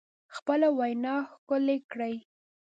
خپله وینا ښکلې کړئ